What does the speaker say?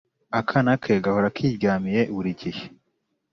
Akana ke gahora kiryamiye burigihe